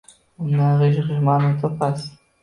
Undan g‘ij-g‘ij ma’no topasiz.